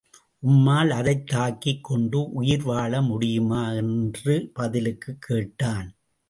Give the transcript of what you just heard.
உம்மால் அதைத் தாங்கிக் கொண்டு உயிர் வாழ முடியுமா? என்று பதிலுக்குக் கேட்டான்.